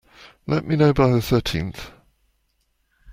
Let me know by the thirteenth.